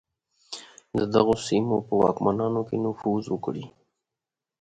د دغو سیمو په واکمنانو کې نفوذ وکړي.